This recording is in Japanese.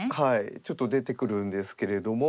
ちょっと出てくるんですけれども。